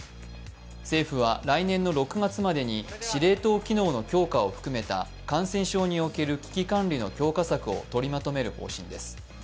政府は来年の６月までに司令塔機能の強化を含めた感染症における危機管理の強化策を取りまとめる方針です。